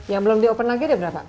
yang belum di open lagi ada berapa